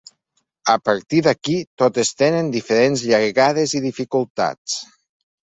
A partir d’aquí totes tenen diferents llargades i dificultats.